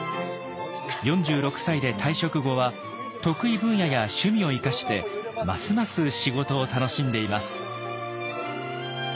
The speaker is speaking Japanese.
４６歳で退職後は得意分野や趣味を生かしてますます仕事を楽しんでいます。